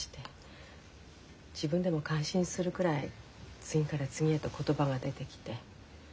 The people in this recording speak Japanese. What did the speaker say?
自分でも感心するくらい次から次へと言葉が出てきて。